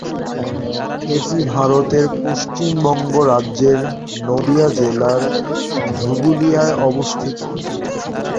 এটি ভারতের পশ্চিমবঙ্গ রাজ্যের নদীয়া জেলার ধুবুলিয়ায় অবস্থিত।